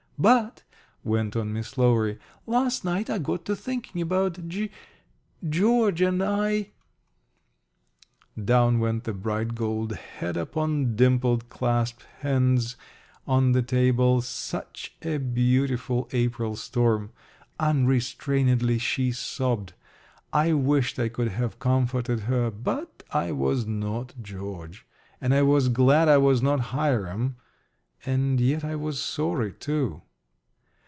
"But," went on Miss Lowery, "last night I got to thinking about G George, and I " Down went the bright gold head upon dimpled, clasped hands on the table. Such a beautiful April storm! Unrestrainedly she sobbed. I wished I could have comforted her. But I was not George. And I was glad I was not Hiram and yet I was sorry, too.